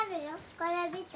これ見て。